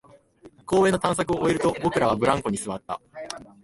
公園の探索を終えると、僕らはブランコに座った